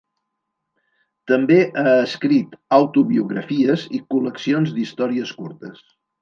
També ha escrit autobiografies i col·leccions d'històries curtes.